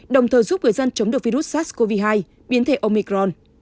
đồng thời giúp người dân chống được virus sars cov hai biến thể omicron